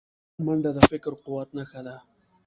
منډه د فکري قوت نښه ده